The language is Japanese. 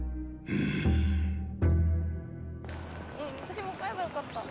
うん私も買えばよかった。